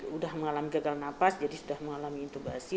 sudah mengalami gagal nafas jadi sudah mengalami intubasi